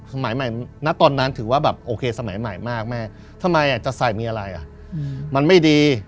สมัยใหม่ณตอนนั้นถือว่าแบบโอเคสมัยใหม่มากแม่ทำไมจะใส่มีอะไรมันไม่ดี